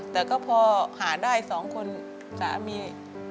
แต่ก็พอหาได้๒คนสามี